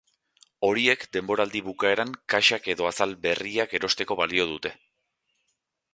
Horiek denboraldi bukaeran kaxak edo azal berriak erosteko balio dute.